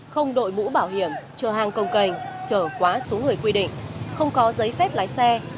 không đội mũ bảo hiểm chở hàng công cành trở quá số người quy định không có giấy phép lái xe